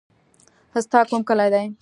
ستا کوم کلی دی.